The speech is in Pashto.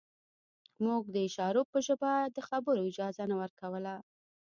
موږ د اشارو په ژبه د خبرو اجازه نه ورکوله